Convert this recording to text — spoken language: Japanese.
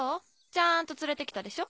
ちゃんと連れて来たでしょ。